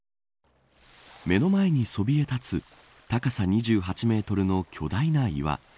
目の前にそびえ立つ高さ２８メートルの巨大な岩。